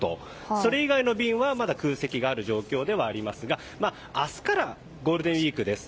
それ以外の便はまだ空席がある状況ではありますが明日からゴールデンウィークです。